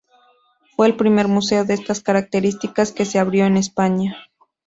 Fue el primer museo de estas características que se abrió en España.